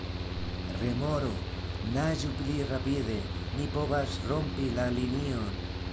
Remoro: "Naĝu pli rapide! Ni povas rompi la linion!"